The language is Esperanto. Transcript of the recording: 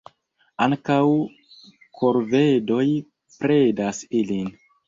Ankaŭ korvedoj predas ilin.